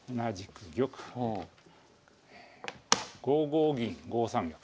５五銀５三玉。